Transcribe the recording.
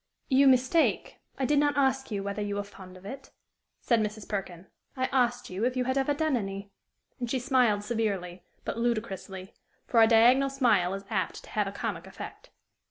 "You mistake: I did not ask you whether you were fond of it," said Mrs. Perkin; "I asked you if you had ever done any"; and she smiled severely, but ludicrously, for a diagonal smile is apt to have a comic effect.